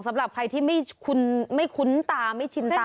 สำหรับใครที่ไม่คุ้นตาไม่ชินตา